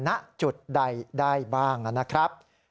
ณจุดใดได้บ้างนะครับ